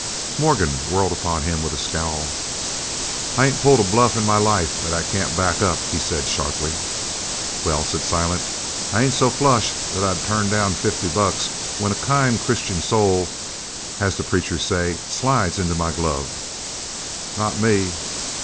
Morgan whirled upon him with a scowl, "I ain't pulled a bluff in my life that I can't back up!" he said sharply. "Well," said Silent, "I ain't so flush that I'd turn down fifty bucks when a kind Christian soul, as the preachers say, slides it into my glove. Not me.